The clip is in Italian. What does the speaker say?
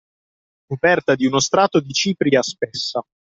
Coperta di uno strato di cipria spessa